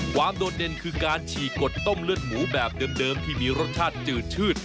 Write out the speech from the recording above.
โดดเด่นคือการฉี่กดต้มเลือดหมูแบบเดิมที่มีรสชาติจืดชื่น